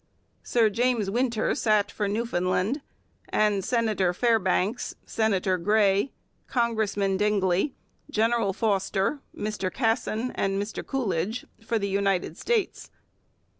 Sir James Winter sat for Newfoundland and Senator Fairbanks, Senator Gray, Congressman Dingley, General Foster, Mr Kasson, and Mr Coolidge for the United States.